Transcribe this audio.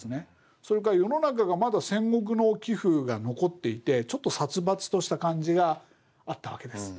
それから世の中がまだ戦国の気風が残っていてちょっと殺伐とした感じがあったわけです。